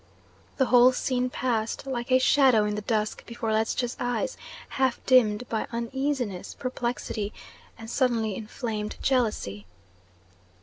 The whole scene passed like a shadow in the dusk before Ledscha's eyes, half dimmed by uneasiness, perplexity, and suddenly inflamed jealousy.